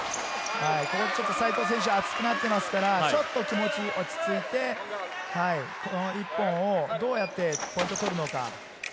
西藤選手は熱くなっていますから、気持ちを落ち着かせて、この１本をどうやってポイントを取るのか。